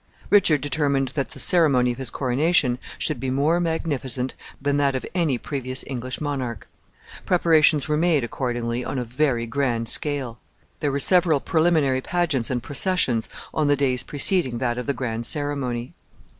Richard determined that the ceremony of his coronation should be more magnificent than that of any previous English monarch. Preparations were made, accordingly, on a very grand scale. There were several preliminary pageants and processions on the days preceding that of the grand ceremony.